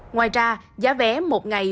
ngoài ra giá vé một ngày